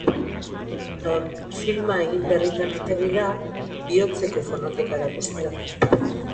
Non filma egin berritan etorri da bihotzeko fonoteka erakustera.